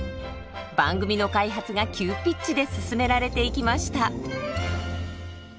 番組の開発が急ピッチで進められていきました。